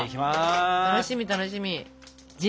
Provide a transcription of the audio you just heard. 楽しみ楽しみ！